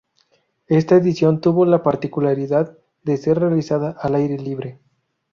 Esta edición tuvo la particularidad de ser realizada al aire libre.